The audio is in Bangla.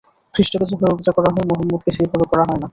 খ্রীষ্টকে যেভাবে পূজা করা হয়, মহম্মদকে সেইভাবে করা হয় না।